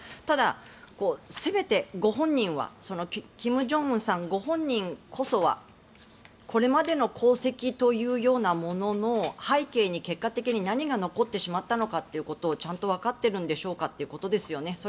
ただ、せめてご本人は金正恩さんご本人こそはこれまでの功績というようなものの背景に結果的に何が残ってしまったのかということをちゃんとわかってるんでしょうかということですよね。